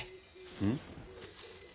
うん？